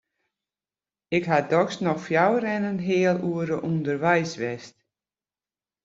Ik ha dochs noch fjouwer en in heal oere ûnderweis west.